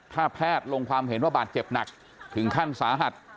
ถ้าแพทย์ลงความเห็นว่าบาดเจ็บหนักถึงขั้นสาหัส